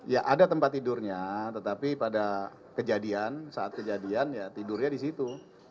ya ada tempat tidurnya tetapi pada kejadian saat kejadian ya tidurnya di situ